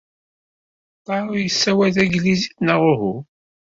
Taro yessawal tanglizit, neɣ uhu?